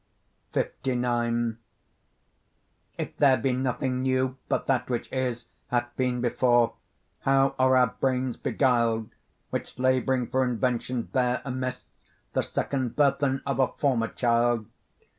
LIX If there be nothing new, but that which is Hath been before, how are our brains beguil'd, Which labouring for invention bear amiss The second burthen of a former child!